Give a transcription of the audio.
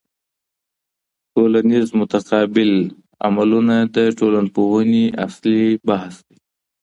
ټولنیز متقابل عملونه د ټولنپوهني اصلي بحث دی.